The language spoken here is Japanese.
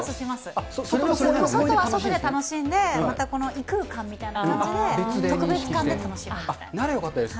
外は外で楽しいんで、またこの異空間みたいな感じで、ならよかったです。